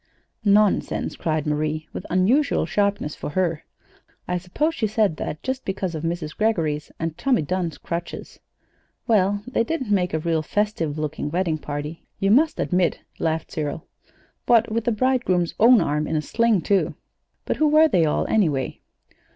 "Nonsense!" cried Marie, with unusual sharpness for her. "I suppose she said that just because of Mrs. Greggory's and Tommy Dunn's crutches." "Well, they didn't make a real festive looking wedding party, you must admit," laughed Cyril; "what with the bridegroom's own arm in a sling, too! But who were they all, anyway?"